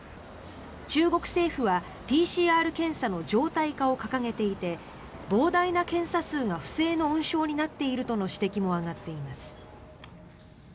中国政府は、ＰＣＲ検査の常態化を掲げていて膨大な検査数が不正の温床になっているとの指摘も上がっています。